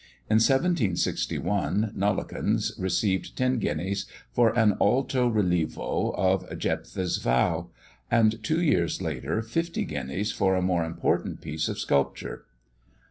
In 1761, Nollekens received ten guineas for an alto relievo of Jephtha's Vow; and two years later, fifty guineas for a more important piece of sculpture.